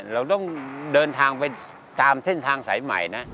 เราต้องเดินทางไปตามเส้นทางสายใหม่นะ